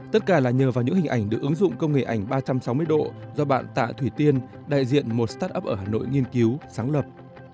tất cả là nhờ vào những hình ảnh được ứng dụng công nghệ ảnh ba trăm sáu mươi độ do bạn tạ thủy tiên đại diện một start up ở hà nội nghiên cứu sáng lập